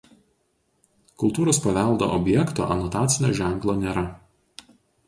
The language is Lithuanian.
Kultūros paveldo objekto anotacinio ženklo nėra.